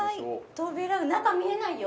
扉中見えないよ？